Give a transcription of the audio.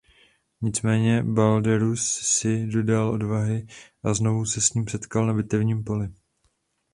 Nicméně Balderus si dodal odvahy a znovu se s ním setkal na bitevním poli.